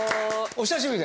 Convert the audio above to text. お久しぶり。